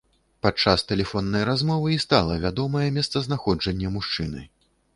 Падчас тэлефоннай размовы і стала вядомае месцазнаходжанне мужчыны.